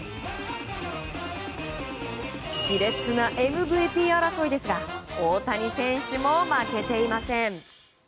熾烈なＭＶＰ争いですが大谷選手も負けていません。